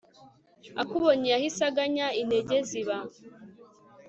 akubonye yahise aganya, intege ziba